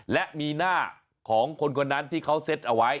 และมีหน้าของคนคนนั้นที่เขาเซ็ตเอาไว้